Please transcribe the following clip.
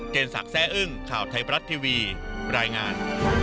เจนสักแซ่อึ้งข่าวไทยปรัสทีวีรายงาน